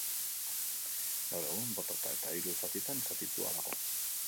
Gaur egun, botata eta hiru zatitan zatitua dago.